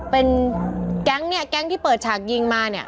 เป็นแก๊งเนี่ยแก๊งที่เปิดฉากยิงมาเนี่ย